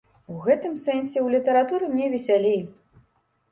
У гэтым сэнсе ў літаратуры мне весялей.